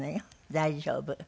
大丈夫。